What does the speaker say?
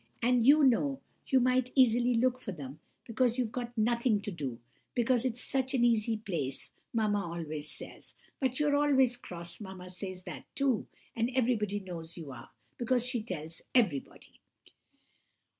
And you know you might easily look for them, because you've got almost nothing to do, because it's such an easy place, mamma always says. But you're always cross, mamma says that too, and everybody knows you are, because she tells everybody!